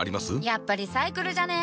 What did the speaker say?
やっぱリサイクルじゃね？